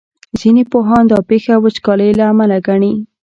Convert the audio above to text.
ځینې پوهان دا پېښه وچکالۍ له امله ګڼي.